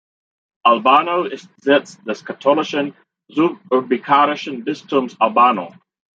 Albano ist Sitz des katholischen, suburbikarischen Bistums Albano.